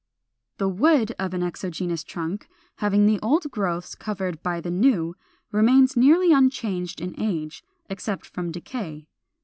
434. =The Wood= of an exogenous trunk, having the old growths covered by the new, remains nearly unchanged in age, except from decay.